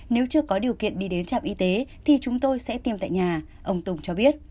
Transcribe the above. nếu chưa có điều kiện đi đến trạm y tế thì chúng tôi sẽ tiêm tại nhà ông tùng cho biết